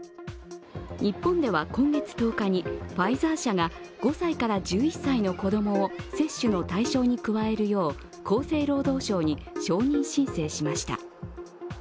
日本では今月１０日にファイザー社が５歳から１１歳の子供を接種の対象に加えるよう厚生労働省に承認申請しました。